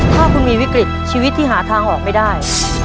ถ้าคุณมีวิกฤตชีวิตที่หาทางออกไม่ได้